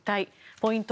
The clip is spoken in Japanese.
ポイント